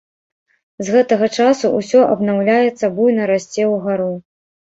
З гэтага часу ўсё абнаўляецца, буйна расце ўгару.